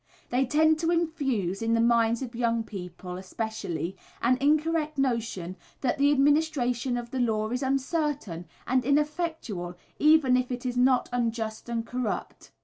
They tend to infuse, in the minds of young people especially, an incorrect notion that the administration of the law is uncertain and ineffectual, even if it is not unjust and corrupt.